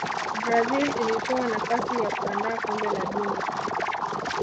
brazil ilipewa nafasi ya kuandaa kombe la duni